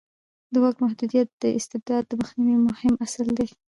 د واک محدودیت د استبداد د مخنیوي مهم اصل دی